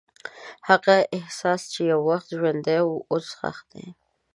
هغه احساس چې یو وخت ژوندی و، اوس ښخ دی.